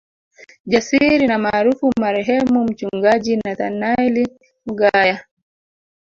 Jasiri na maarufu Marehemu Mchungaji Nathanaeli Mgaya